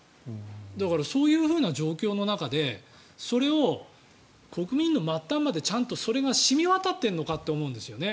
だから、そういう状況の中でそれを国民の末端までちゃんとそれが染み渡っているのかって思うんですよね。